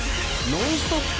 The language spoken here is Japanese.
ノンストップ！